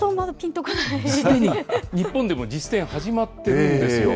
すでに日本でも実践始まってるんですよ。